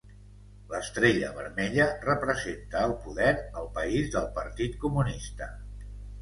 L'estrella vermella representa el poder al país del Partit Comunista.